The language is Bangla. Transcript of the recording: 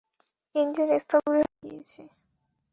ইঞ্জিন স্থবির হয়ে গিয়েছে।